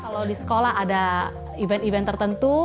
kalau di sekolah ada event event tertentu